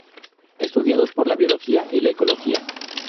Estudiados por la biología y la ecología.